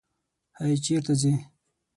هی! چېرې ځې؟